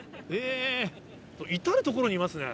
至る所にいますね。